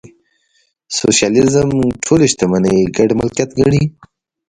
سوشیالیزم ټولې شتمنۍ ګډ ملکیت ګڼي.